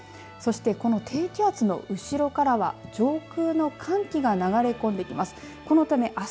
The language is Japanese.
そしてこの低気圧の後ろからは上空の寒気が流れ込んできます。